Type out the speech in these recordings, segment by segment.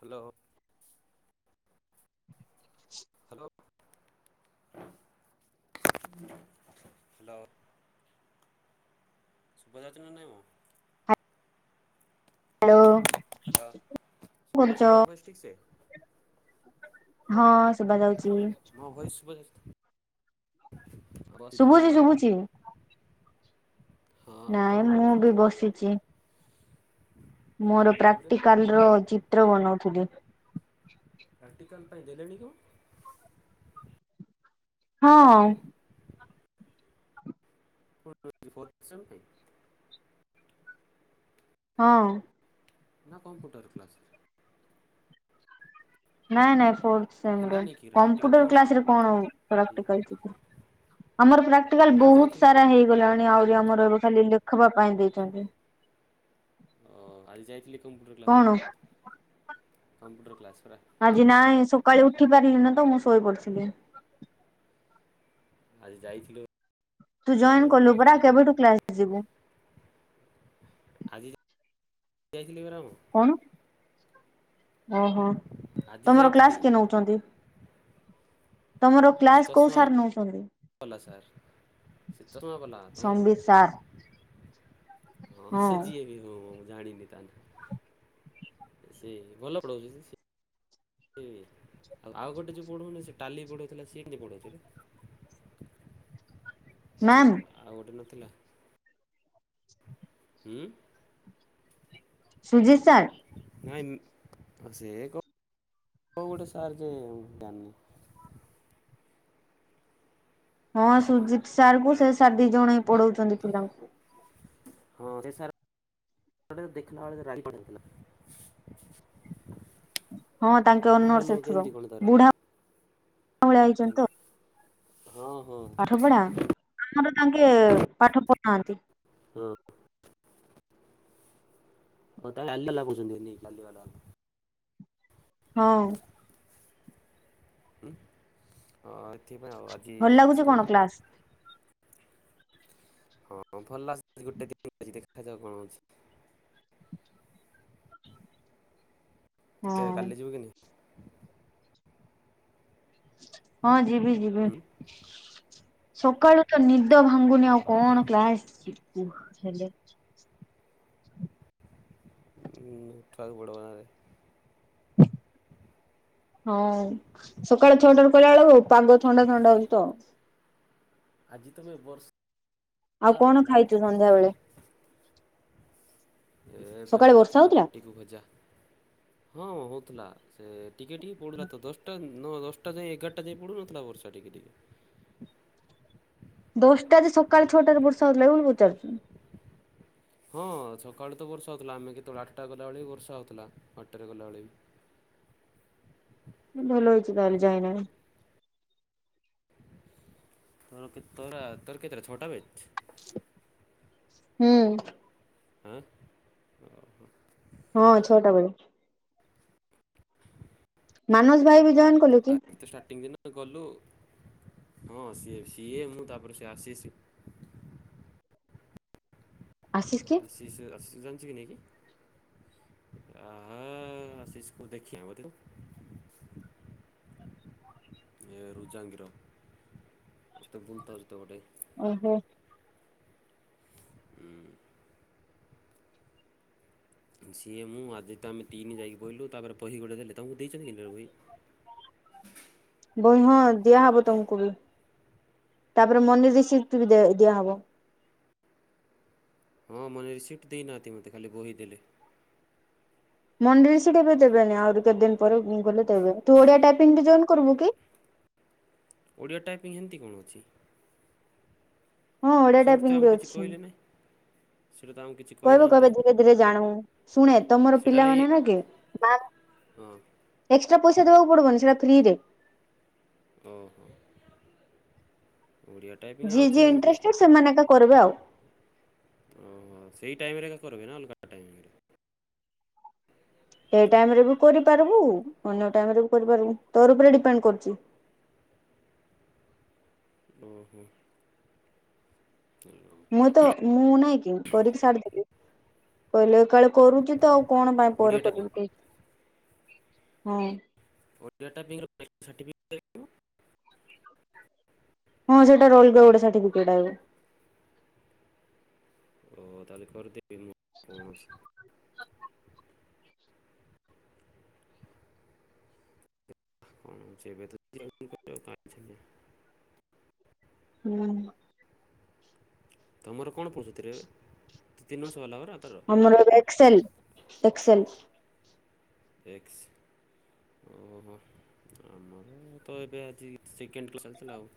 Hello. [unintelligible] Hello, hello. ଶୁଭା ଯାଉଚି ନା ନାଇଁମ। ହ୍ୟାଲୋ ହାଲୋ, ହାଲୋ, କଣ କରୁଛ? ଶୁଭଯାଉଛି ମୋର ଭଏସ ଠିକ୍ ସେ? ହଁ ଶୁବା ଯାଉଚି। ମୋ ଭଏସ୍ ଶୁଭା [unintelligible] ଶୁଭୁଚି, ଶୁଭୁଚି। ହଁ କଣ ନାଇଁ ମୁଁ କରୁଛୁ ବି ବସିଚି। ମୋର ଖାଇଲୁଣି କିରେ ପ୍ରାକ୍ଟିକାଲ ର ଚିତ୍ର ବନଉଥିଲି। ପ୍ରାକ୍ଟିକାଲ ପାଇଁ ଦେଲେଣି କଣ? ହଁ। [inaudible] ସେମିତି ହଁ। ନା କମ୍ପ୍ୟୁଟର୍ କ୍ଲାସ୍। ନାଇଁ ନାଇଁ ଫୋର୍ ସେମ୍ ଦେ, ହେଲାଣି କି ପ୍ରାକ୍ଟିକାଲ କମ୍ପୁଟର ତମର କ୍ଲାସ୍ ଷ୍ଟାର୍ଟ ରେ କଣ ପ୍ରାକ୍ଟିକାଲ୍ ଥିବ। ଆମର ପ୍ରାକ୍ଟିକାଲ ଆଜି ବହୁତ ଯାଇଥିଲି ରେ ସାରା ହେଇଗଲାଣି ଆହୁରି ଆମର ଏବେ ଖାଲି ଲେଖବା ପାଇଁ ଦେଇଛନ୍ତି। ହଁ ଆଜି ଯାଇଥିଲି କମ୍ପୁଟର କ୍ଲାସ୍ କଣ ରେ, କମ୍ପୁଟର କ୍ଲାସ୍ ପରା। ଆଜି ନାଇଁ ସକାଳେ ଉଠି ପାରିଲିନି ତ ମୁଁ ଶୋଇ ପଡିଥିଲି। ଆଜି ଯାଇଥିଲୁ ତୁ ପରା ଜଏନ୍ ଆମେ କଲୁ ଫାଷ୍ଟ ପୁରା, କଥା କେବେଠୁ କ୍ଲାସ ଯିବୁ? ଆଜି ଯାଇଥିଲି ପରା ମୁଁ। କଣ ଓହୋ, ଆଜି ତମର ଯାଇଥିଲି କ୍ଲାସ କିଏ ନଉଚନ୍ତି? କ୍ଲାସ୍ କୋଉ ସାର୍ ନଉଛନ୍ତି? ଭଲ ସାର୍, ଶୀତରମା ବଲା ତମର? ସମ୍ବିତ ସାର୍ ହଁ ସେ ଯିଏ ବି ହଉ ମୁଁ ଜାଣିନି ତାହାନେ। ସିଏ ଭଲ ପଢଉଛି। ଆଉ ଗୋଟେ ଯୋଉ ପଢଉନି ସେ ଟାଲି ପଢଉଥିଲା ସିଏ କିଏ ପଢଉଛି ଏଇନା? ହିଚୁ ମ୍ୟାମ୍ ଆଉ ଗୋଟେ ନଥିଲା। ହୁଁ। ସୁଜିତ ସାର୍। ନାଇଁ ସେ ଏକ, କ ଗୋଟେ ସାର୍ ଯେ ମୁଁ ଜାଣିନି। ହଁ ସୁଜିତ ସାର୍ କୁ ସେ ସାର୍ ଦି ଜଣ ହଁ ପଢଉଛନ୍ତି ପିଲାଙ୍କୁ। ହଁ ସେ ସାର। ହେଟାକୁ ଦେଖିଲା ଏଲକୁ ରାଗ ଡା ହଁ ତାଙ୍କେ ନା ଅନର୍ସ ଭଲ ହଉ ଏଠୁର କେମିତି କଣ ତାର ବୁଢା ଭଳିଆ ହେଇଛନ୍ତି ତ ଥଙ୍କ ହଁ ହଁ। ପାଠ ପଢା ଆମର ତାଙ୍କେ ପାଠ ପଢୁନାହାନ୍ତି। ହଁ ହଁ। ହଉ ତାଲେ ଅଲିଲା ଲାଗୁସନ୍ତି କି ଆଲିବାଲା। ହଁ। ହଁ ଏଥିପାଇଁ ଆଉ ଆଜି ଭଲ ଲାଗୁଛି କଣ ସେରଉ କ୍ଲାସ? ହଁ ହଁ ଭଲ ଆସ ଗୋଟେ ଦିନ ଅଛି ଦେଖାଯାଉ କଣ ହଉଛି। ହଁ ଟିକେ କାଲି ଯିବୁ କି ନି? ହଁ ଯିବି ଯିବି ନାହିଁ? ସକାଳୁ ତ ନି ନିଦ ଭାଙ୍ଗୁନି ଆଉ ଓହୋ କଣ କ୍ଲାସ ଯିବୁ ହେଲେ ଦ ଉଁ ଥାଉ ବଡ଼ବାରେ। [inaudible] ହଁ ସକାଳେ ଛଅଟାରୁ କହିଲା ବେଳକୁ ପାଗ ଥଣ୍ଡା ଥଣ୍ଡା ହଉଛି ତ ଆଜି ତମେ ବର୍ଷ ଆଉ କଣ ଖାଇଛୁ ସନ୍ଧ୍ୟାବେେଳେ? ଏ ଏବେ ସକାଳେ ବର୍ଷା ଖାଇଥିଲି ହଉଥିଲା? ରୁଟିକୁ ଭଜା ହଁ ହଉଥିଲା ସେ ଟିକେ ଟିକେ ପଡୁଥିଲା ତ ଦଶଟା ନଅ ଦଶଟା ଯାଁଏ ଏଗାରଟା ଯାଏଁ ପଡୁନଥିଲା ବର୍ଷା ଟିକେ ଟିକେ। ଦଶଟାଜି ସକାଳେ ଛଅଟାରୁ ବର୍ଷା ହଉଥିଲା ବୋଲି ପଚାରୁଚି। ହଁ ସକାଳୁ ତ ବର୍ଷା ହଉଥିଲା ଆମେ କେତେବେଳେ ଆଟା ଗଲାବେଳେ ବି ବର୍ଷା ହଉଥିଲା ଆଠଟାରେ ଗଲାବେଳେ ବି। ଭଲ ହେଇଛି ତାହାଲେ ଯାଇନାହିଁ। ତୋର କେତରା ତୋରା କିତେଟା ଛଟା ବେ? ହୁଁ। ଅଏ। ହଁ ଛଅଟା ବେଳେ। [inaudible] ମାନସ ଭାଇ ବି ଜଏନ କଲେ। କି ଆଦିତ୍ୟ ଷ୍ଟାର୍ଟିଙ୍ଗ ଦିନ ଗଲୁ ହଁ ସିଏ ସିଏ ମୁଁ ତାପରେ ସିଏ ଆସିସ। ଆଶିଷ। କି? ଆଜି ସେ ଆଶିଷ ଯାଉଛି କି ନାଇଁ କି? ଆହା ଆସିଷ କୁ ଦେଖିଆ ବୋଧେ। ଏ ରୁଜାଙ୍ଗିର ଏତେ ବୁଲତାଉଜ ତ ଗୋଟେ। ଓହୋ। ହୁଁ। ସିଏ ମୁଁ ଆଦିତ୍ୟ ଆମେ ତିନି ଯାଇକି ବଇଲୁ ତାପରେ ବହି ଗୋଟେ ଦେଲେ ତାଙ୍କୁ ଦେଇଛନ୍ତି କି ନାଇଁ ବହି? ବହି ହଁ ଦିଆହବ ତମକୁ ବି ତାପରେ ମନି ରିସିପ୍ଟ ବି ଦେ ଦିଆହବ। ହଁ ମନି ରିସିପ୍ଟ ଦେଇନାହାନ୍ତି ମୋତେ ଖାଲି ବହି ଦେଲେ। ମନି ରିସିପ୍ଟ ଏବେ ଦେବେନି ଆହୁରି କେତେ ଦିନ ପରେ ଗଲେ ଦେବେ। ତୁ ଓଡିଆ ଟାଇପିଙ୍ଗରେ ଜଏନ କରିବୁ କି? ଓଡ଼ିଆ ଟାଇପିଙ୍ଗ ହେନତି କଣ ଅଛି? ହଁ ଓଡିଆ ସେମିତି ତ ଟାଇପିଙ୍ଗ ବି ଆମକୁ କିଛି ଅଛି କହିଲେ ନାହିଁ। ସେଇଟା ତ ଆମ କିଛି କହିବେ କହିନାହାନ୍ତି କହିବେ ଧୀରେ ଧୀରେ ଜାଣୁ ଶୁଣେ ତମର ସେଇଟା ଲାଗି ପିଲାମାନେ ନା କି ବା ହଁ ଏକ୍ସଟ୍ରା ପଇସା ଦବାକୁ ପଡବନି ସେଇଟା ଫ୍ରିରେ। ଓହୋ ଓଡ଼ିଆ। ଟାଇପିଂ ଯିଏ ଆଉଛି ଯିଏ ମୋ ମୋତେ ଇଣ୍ଟରେଷ୍ଟେଡ଼ ସେମାନେ ଏକା କରିବେ ଆଉ। ଓହୋ ସେଇ ଟାଇମରେ ଏକା କରିବେନା ଅଲଗା? ଟାଇମରେ? ଏ ଟାଇମ ରେ ବି କରିପାରିବୁ ଅନ୍ୟ ଟାଇମରେବି କରିପାରବୁ ତୋର ଉପରେ ଡିପେଣ୍ଡ କରୁଚି। ଉଁ ହୁଁ। ମୁଁ ତ ମୁଁ ନାଇଁକି କରିକି ଛାଡିଦେବି କହିଲେ କାଳେ କରୁଚିତ କଣ ପାଇଁ ଓଡ଼ିଆ ପରେ ଟାଇପିଂ କରିବୁ ହଁ। [unintelligible] ହଁ ସେଇଟା ରୋଲ ସାର୍ଟିଫିକେଟ ଆଇବ ଓ ତାହେଲେ କରିଦେବି ମୁଁ କଣ ଅଛି। ହୁଁ ସେ ହୁଁ। ତୁମର କଣ ପ୍ରସୁତିରେ ଏବେ ଦୁଇ ତିନି ମାସ ହେଲା ହେରା ତର? ଆମର ଏକ୍ସଲ୍ ଏକ୍ସଲ୍। ଏକ୍ସ ଓହୋ ଆମରତ ଏବେ ଆଜି ସେକେଣ୍ଡ କ୍ଲାସ୍ ଚାଲିଥିଲା ଆଉ।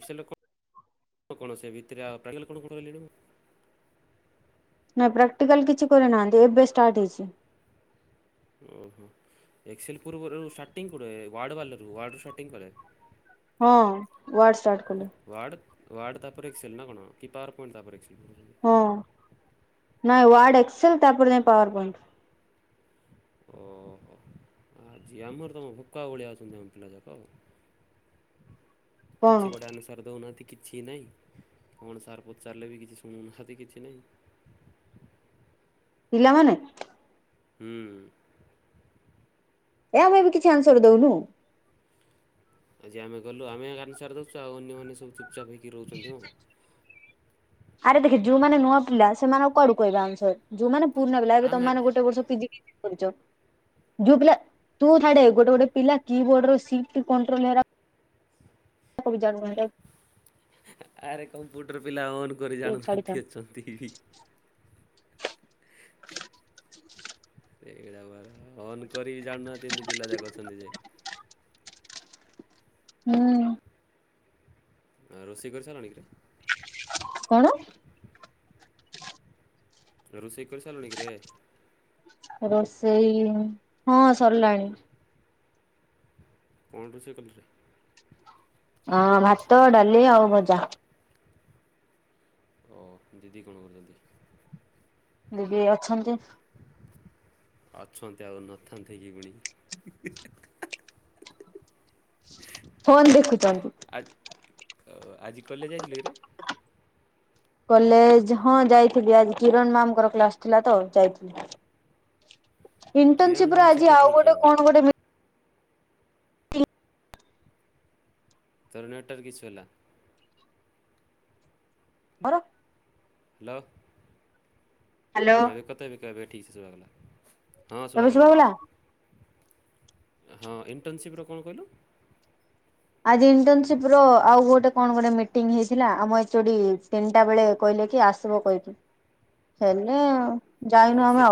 ଏସ୍କଲ୍ କଣ ସେ ଭିତେରେ କଣ କଣହିଲଣି ମୁଁ ନାଇଁ ପ୍ରାକ୍ଟିକାଲ କିଛି କରିନାହାନ୍ତି ଏବେ ଷ୍ଟାର୍ଟ ହେଇଚି। ଓହୋ ଏକ୍ସେଲ୍ ପୂର୍ବରୁ ଷ୍ଟାର୍ଟିଂ କୁଡ଼େ ୱାର୍ଡ଼ ବାଲରୁ ୱାର୍ଡ଼ରୁ ଷ୍ଟାର୍ଟିଂ କରେ? ହଁ ୱାର୍ଟାସାର୍ଟ ଡ଼ୱଡ଼ ତାପରେ ଏକ୍ସଲ୍ ନାକଣ କି ପାୱାର ପଣ୍ଟ ତାପରେ ଏସ୍କଲ୍ ହଁ ନାଇଁ ୱାର୍ଡ ଏକ୍ସଲ୍ ତାପରେ ଯାଇଁ ପୱାର ପଏଣ୍ଟ। ଓହୋ। ଆଜି ଆମର ତମ ଫକା ଭଳିଆ ଅଛନ୍ତି ଆମ ପିଲା ଯାକ ଆଉ। କିଛି କଣ ଗୋଟେ ଅନୁ ସାରଦଉନାହାନ୍ତି କିଛି ନାହିଁ କଣ ସାର୍ ପଚାରିଲେବି କିଛି ଶୁଣୁନାହାନ୍ତି କିଛି ନାହିଁ। ପିଲାମାନେ? ହୁଁ। ଏ ଆମେବି କିଛି ଆନ୍ସର ଦଉନୁ। ଆଜି ଆମେ ଗଲୁ ଆମେ ଆନ୍ସାର ଦେଉଛୁ ଆଉ ଅନ୍ୟମାନେ ସବୁ ଚୁପଚାପ୍ ହେଇକି ରହୁଛନ୍ତି ହଁ। ଆରେ ଦେଖେ ଯୋଉମାନେ ନୂଆ ପିଲା ସେମାନଙ୍କୁ କୁଆଡ଼ୁ କହିବେ ଆନସାର୍। ଯୋଉମାନେ ପୁରୁଣା ପିଲା ଏବେ ଆମେ ତମ ଗୋଟେ ବର୍ଷ ପିଜି କରିଛ ଯୋଉ ପିଲା ତୁ ଥାଡ଼େ ଗୋଟେ ଗୋଟେ ପିଲାକି କିବୋର୍ଡ ସିଟ୍ କଣ୍ଟ୍ରୋଲ ହେରା ତାବି ଯାଣୁନାହାନ୍ତି‌। ଆରେ କମ୍ପ୍ୟୁଟର ପିଲା ଅନ୍ କରି ତୁ ଛାଡିଥା ଜାଣୁନାହାନ୍ତି ଅଛ [unintelligible] ସେଇଡ଼ା ପରା ଅନ୍ କରିକି ଜାଣୁନା ତିିନି ପିଲା ଯାକ ଅଛନ୍ତିଯେ ହୁଁ। ଅଁ ରୋଷେଇ କରିସାରିଲଣି କିରେ? କଣ? ରୋଷେଇ କରିସାରିଲୁଣି କିିରେ? ରୋଷେଇ ହଁ ସରିଲାଣି। କଣ ରୋଷେଇ କରିଲେ? ଅଁ ଭାତ ଡ଼ାଲି ଆଉ ଭଜା। ଓ ଦିଦି କଣ କରୁଚନ୍ତି? ଦିଦି ଅଛନ୍ତି। ଅଛନ୍ତି ଆଉ ନଥାନ୍ତ କି ପୁଣି କଣ ଦେଖୁଛନ୍ତି? ଆ ଆଜି କଲେଜ ଯାଇଥିଲ କିରେ କଲେଜ ହଁ ଯାଇଥିଲି ଆଜି କିରଣ ମ୍ୟାାମଙ୍କର କ୍ଲାସ ଥିଲା ତ ଯାଇଥିଲି। କିରଣ ଇଣ୍ଟନସିପ ଆଜି ସେଟା ଆଉ ପୁଣି କିଏ ଗୋଟେ ମ? କଣ ଗୋଟେ ତରନାଟଟର କିଛି ହେଲା। ବର ହ୍ୟାଲୋ ହଁ ଏବେ କତେ ଏବେ କ ଏବେ ଠିକ ସେ ସେ ଭଗଲା। ହଁ ଶୁହାଗଲା ଶୁଭାଗଲା ହଁ ଇଣ୍ଟର୍ନସିପ୍ର କଣ କହିଲୁ? ଆଜି ଇଣ୍ଟର୍ନସିପ ର ଆଉ ଗୋଟେ କଣ ଗୋଟେ ମିଟିଂ ହେଇଥିଲା ଆମ ଏ ଚୁଠ ତିନିଟା ବେଳେ କହିଲେ କି ଆସିବ କହିକି ହେ ନା ଓ ସେ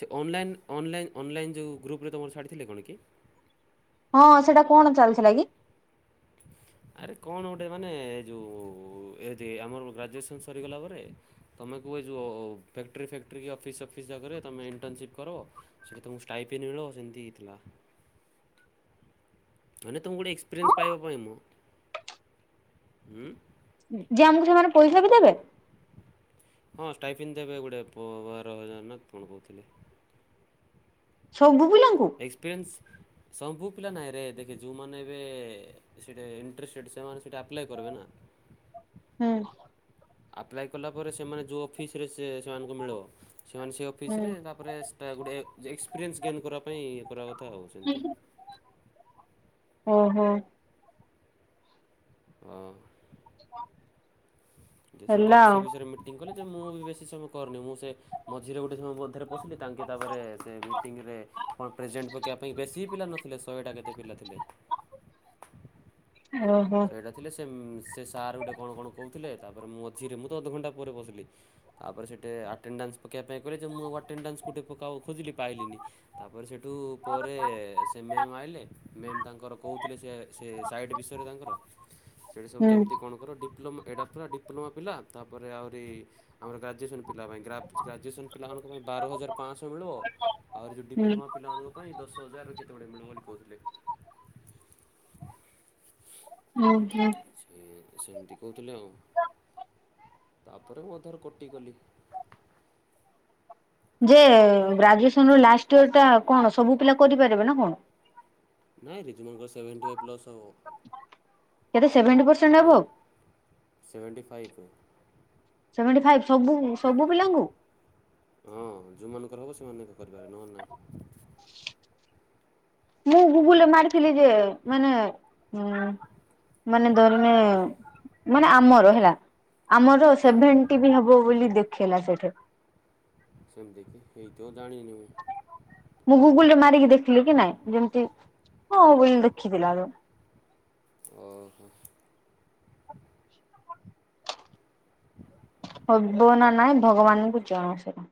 ସେ ଅନଲାଇନ୍ ଅନଲାଇନ୍ ଅନଲାଇନ୍ ଯେଉଁ ଗ୍ରୁପରେ ତୁମର ଛାଡ଼ି ଥିଲେ କଣ କି? ହଁ ସେଟା କଣ ଚାଲିଥିଲା କି? ଆରେ କଣ ଗୋଟେ ମାନେ ଏ ଯେଉଁ ଏ ଯେ ଆମର ଗ୍ରାଜୁଏସନ୍ ସରିଗଲା ପରେ ତୁମେ କୁହ ଯ ଫ୍ୟାକ୍ଟ୍ରି ଫ୍ୟାକ୍ଟ୍ରି କି ଅଫିସ୍ ଅଫିସ୍ ଜାଗାରେ ତୁମେ ଇଣ୍ଟର୍ନସିପ କର। ସେ ତମକୁ ଷ୍ଟାଇପେ ନଳ ସେମିତି ହେଇଥିଲା। ମାନେ ତମକୁ ଗୋଟଏ ଏକ୍ପରିନ୍ ପାଇବା ପାଇଁ ମୁଁ ହୁଁ। ଯେ ଆମକୁ ସେମାନେ ପଇସା ବି ଦେବେ? ହଁ ଷ୍ଟାଇଫନ୍ ଦେବେ ଗୋଟେ ବାର ହଜାର ନା କଣ କହୁଥିଲେ। ସବୁ ପିଲାଙ୍କୁ। ଏକ୍ସପିରିଏନ୍ସ ସବୁ ପିଲା ନାହିଁ ରେ ଦେଖେ ଯେଉଁମାନେ ଏବେ ସେଇଠା ଇଣ୍ଟରେଷ୍ଟେଡ଼୍ ସେମାନେ ସେଇଟା ଆପ୍ଲାଏ କରିବେ ନା। ହୁଁ। ଆପ୍ଲାଏ କଲା ପରେ ସେମାନେ ଯେଉଁ ଅଫିସରେ ସେ ସେମାନଙ୍କୁ ମିଳିବ। ସେମାନେ ସେ ହୁଁ ଅଫିସରେ ତାପରେ ସେଇଟା ଗୋଟେ ଏକ୍ସପିରିଏନ୍ସ ଗେନ୍ କରିବା ପାଇଁ ଇ କରିବା କଥା ହେଉ ସେମିତି। ହୁଁ ହୁଁ। ହଁ। ଯେ ସେଇଟା ହେଲା ଆଉ ସେ ବିଷୟରେ ମିଟିଂ କଲେ ଯେ ମୁଁ ବି ବେଶୀ ସମୟ କରୁନି ମୁଁ ସେ ମୋଝିରେ ଗୋଟେ ସମୟ ମଧ୍ୟରେ ପଶିଲି ତାଙ୍କେ ତାପରେ ସେ ମିଟିଙ୍ଗରେ କଣ ପ୍ରେଜେଣ୍ଟ ପକବା ପାଇଁ ବେଶୀ ପିଲା ନଥିଲେ ଶହେ ଟା କେତେ ପିଲା ଥିଲେ। ଓହୋ। ସେଇଟା ଥିଲେ ସେ ସେ ସାର୍ ଗୋଟେ କଣ କଣ କହୁଥିଲେ ତାପରେ ମୋଝିରେ ମୁଁ ତ ଅଧଘଣ୍ଟା ପରେ ବସିଲି। ତାପରେ ସେଠି ଆଟେଣ୍ଡାନ୍ସ ପକେଇବା ପାଇଁ କହିଲେ ଯେ ମୁଁ ଆଟେଣ୍ଡାନ୍ସକୁୋଟେ ପ ଖୋଜିଲି ପାଇଲିନି। ତାପରେ ସେଠୁ ପରେ ସେ ମ୍ୟାମ୍ ଆଇଲେ ମ୍ୟାମ୍ ତାଙ୍କର କହୁଥିଲେ ସେ ସେ ସାଇଟ୍ ବିଷୟରେ ତାଙ୍କର ସେଇଠି ସବୁ ହୁଁ କେମିତି କଣ ର ଥିଲା ଡିପ୍ଲୋମା ପିଲା ତାପରେ ଆହୁରି ଆମର ଗ୍ରାଜୁଏସନ୍ ପିଲା ପାଇଁ ଗ୍ରାଜୁଏସନ୍ ପିଲାମାନଙ୍କ ପାଇଁ ବାର ହଜାର ପାଞ୍ଚଶହ ମିଳିବ ଆହୁରି ଯେଉଁ ହୁଁ ଡିପ୍ଲୋମା ପିଲାଙ୍କ ପାଇଁ ଦଶ ହଜାରରୁ କେତେ ଗୁଡେ ମିଳିବ ବୋଲି କହୁଥିଲେ। ହୁଁ ହୁଁ। ସେ ସେମିତି କହୁଥିଲେ ଆଉ। ତାପରେ ମୁଁ ଅଧାରୁ କଟି ଗଲି। ଯେ ଗ୍ରାଜୁଏସନ ର ଲାଷ୍ଟ ଇୟର ଟା କଣ ସବୁ ପିଲା କରିପାରିବେ ନା କଣ? ନାଇଁ ରରେ ଜୁମାନଙ୍କର ସେଭେଣ୍ଟି ଫାଇଭ୍ ପ୍ଲସ୍ ହବ। ଖାଲି ସେଭେଣ୍ଟି ପରସେଣ୍ଟ ଏଭବ? Seventy five. ସେଭେଣ୍ଟି ଫାଇଭ ସବୁ ସବୁ ପିଲାଙ୍କୁ? ହଁ ଯେଉଁମାନଙ୍କର ହବ ସେମାନଙ୍କ କରିପାରିବେ ନହେଲେ ନାହିଁ। ମୁଁ ଗୁଗୁଲରେ ମାରିଥିଲି ଯେ ମାନେ ମାନେ ଧରିନେ, ମାନେ ଆମର ହେଲା ଆମର ହଁ ସେଭେ ବି ନେବ ବୋଲି ଦେଖେଇଲା ସେଠି ସେମିତି କି ହେଇଥିବ ଜାଣିିନୁ। ମୁଁ ଗୁଗୁଲ ରେ ମାରିକି ଦେଖିଲି କି ନାଇଁ, ଯେମିତି ହଁ ବୋଲି ଲେଖିଥିଲ ଆଉ। ଓହୋ। [inaudible] ହବ ନା ନାଇଁ ଭଗବାନଙ୍କୁ ଜଣା ସେଟା।